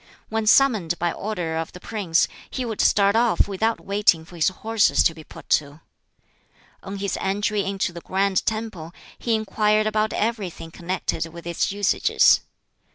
When summoned by order of the prince, he would start off without waiting for his horses to be put to. On his entry into the Grand Temple, he inquired about everything connected with its usages.